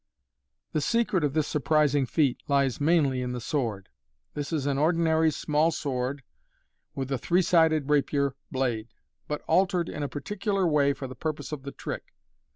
The secret of this surprising feat lies mainly in the sword. This is an ordinary small sword (see Fig. 41), with a three sided rapier blade, but altered in a particular way for the purpose of the trick.